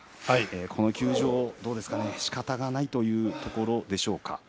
この休場はどうですかしかたがないというところでしょうか。